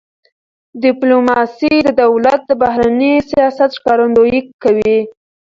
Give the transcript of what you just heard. ډيپلوماسي د دولت د بهرني سیاست ښکارندویي کوي.